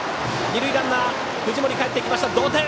二塁ランナー、藤森かえって同点！